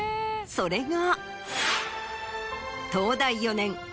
それが。